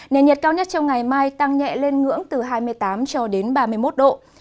nền nhiệt cao nhất trong ngày mai tăng nhẹ lên ngưỡng từ hai mươi tám cho đến ba mươi một độ